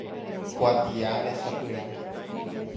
Kuatia rechapyrã.